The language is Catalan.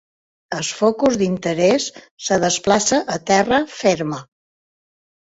El focus d'interès es desplaça a terra ferma.